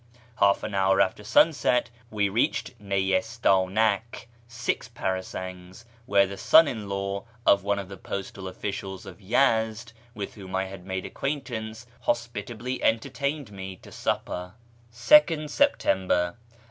Half an hour after sunset we reached Neyistdnak (six parasangs), where the |son in law of one of the postal oflicials of Yezd, with whom had made acquaintance, hospitably entertained me to upper, 2nd Septcmher.